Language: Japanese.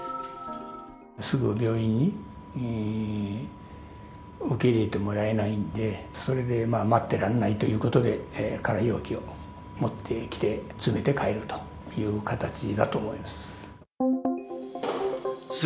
すぐ病院に受け入れてもらえないんで、それで待ってらんないということで、空容器を持ってきて、詰めて帰るという形だと思います。